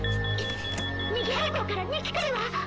「右方向から２機来るわ」